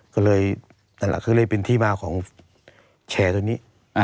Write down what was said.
ก็เลยนั่นแหละก็เลยเป็นที่มาของแชร์ตัวนี้